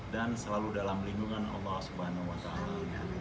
dan selalu dalam pelindungan allah swt